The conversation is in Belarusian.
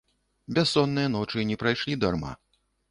Бяссонныя ночы не прайшлі дарма.